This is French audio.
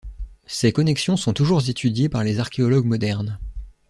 Ces connexions sont toujours étudiées par les archéologues modernes.